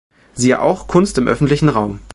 Siehe auch: Kunst im öffentlichen Raum